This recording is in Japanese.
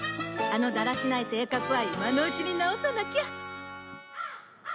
あのだらしない性格は今のうちに直さなきゃ！